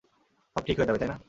সব ঠিক হয়ে যাবে, তাই না?